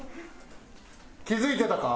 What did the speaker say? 気付いてたか？